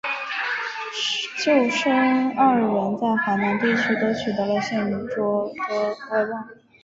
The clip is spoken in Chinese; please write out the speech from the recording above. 舅甥二人在淮南地区都取得了显着的威望。